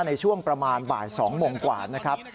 ในช่วงประมาณบ่าย๒โมงกว่านะครับ